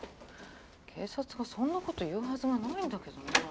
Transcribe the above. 警察がそんなこと言うはずがないんだけどなあ。